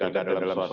baik terima kasih